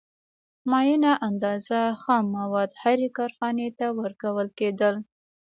معینه اندازه خام مواد هرې کارخانې ته ورکول کېدل